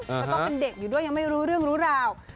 ก็ต้องเป็นเด็กอยู่ด้วยยังไม่รู้เรื่องรู้ราว